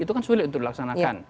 itu kan sulit untuk dilaksanakan